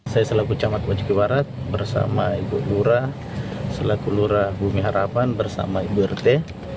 saya selaku kamat bukit bukit barat bersama ibu lura selaku lura bumi harapan bersama ibu rete